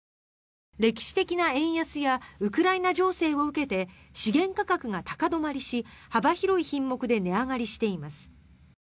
歴史的な円安やウクライナ情勢を受けて資源価格が高止まりし幅広い品目で値上がりしています。